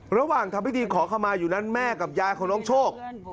ระหว่างทำพิธีขอขมาอยู่นั้นแม่กับยายของน้องโชค